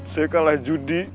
saya kalah judi